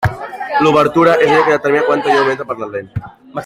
L'obertura és allò que determina quanta llum entra per la lent.